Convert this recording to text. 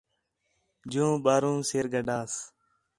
جوں ٻاہروں سِر گڈھاس